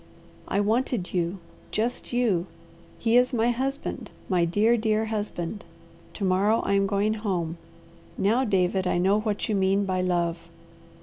"I wanted you! Just you! He is my husband! My dear, dear husband! To morrow I am going home! Now, David, I know what you mean by love!"